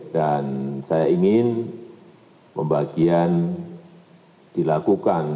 dan saya ingin pembagian dilakukan